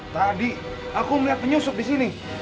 tadi aku melihat penyusup disini